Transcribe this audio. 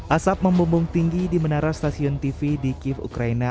asap membumbung tinggi di menara stasiun tv di kiev ukraina